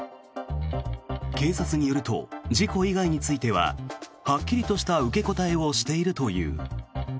警察によると事故以外についてははっきりとした受け答えをしているという。